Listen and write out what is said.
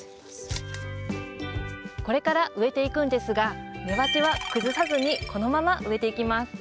これから植えていくんですが根鉢は崩さずにこのまま植えていきます。